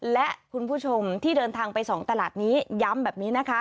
และคุณผู้ชมที่เดินทางไป๒ตลาดนี้ย้ำแบบนี้นะคะ